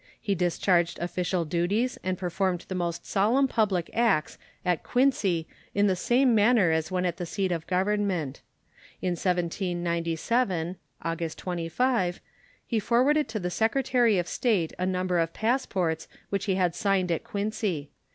He discharged official duties and performed the most solemn public acts at Quincy in the same manner as when at the seat of Government. In 1797 (August 25) he forwarded to the Secretary of State a number of passports which he had signed at Quincy.